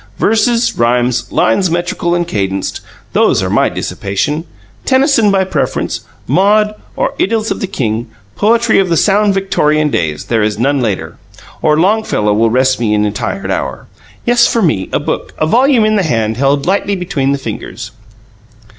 Verses, rhymes, lines metrical and cadenced those are my dissipation. Tennyson by preference: 'Maud,' or 'Idylls of the King' poetry of the sound Victorian days; there is none later. Or Longfellow will rest me in a tired hour. Yes; for me, a book, a volume in the hand, held lightly between the fingers."